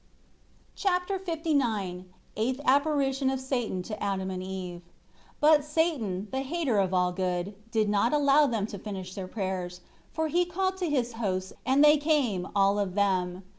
Chapter LIX Eighth apparition of Satan of Satan to Adam and Eve. 1 But Satan, the hater of all good, did not allow them to finish their prayers. For he called to his hosts, and they came, all of them.